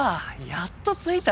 やっと着いた。